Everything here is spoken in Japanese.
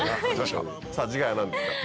さぁ次回は何ですか？